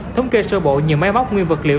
thống kê sơ bộ nhiều máy móc nguyên vật liệu